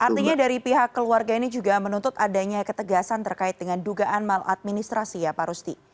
artinya dari pihak keluarga ini juga menuntut adanya ketegasan terkait dengan dugaan maladministrasi ya pak rusti